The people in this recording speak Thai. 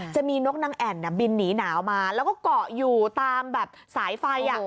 จะมีนกนางแอ่นบินหนีหนาวมาแล้วก็เกาะอยู่ตามแบบสายไฟ